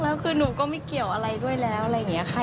แล้วคือหนูก็ไม่เกี่ยวอะไรด้วยแล้วอะไรอย่างนี้ค่ะ